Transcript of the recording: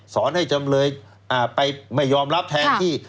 ให้จำเลยไปไม่ยอมรับแทนที่